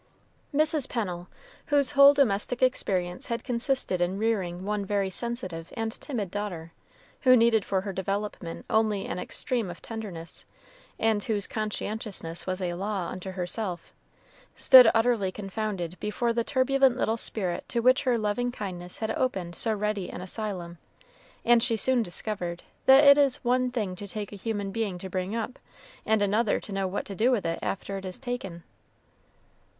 Mrs. Pennel, whose whole domestic experience had consisted in rearing one very sensitive and timid daughter, who needed for her development only an extreme of tenderness, and whose conscientiousness was a law unto herself, stood utterly confounded before the turbulent little spirit to which her loving kindness had opened so ready an asylum, and she soon discovered that it is one thing to take a human being to bring up, and another to know what to do with it after it is taken.